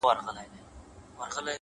• زما او ستا په جدايۍ خوشحاله ـ